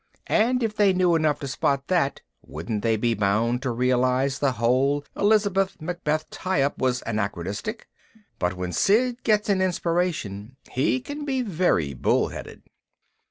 And if they knew enough to spot that, wouldn't they be bound to realize the whole Elizabeth Macbeth tie up was anachronistic? But when Sid gets an inspiration he can be very bull headed.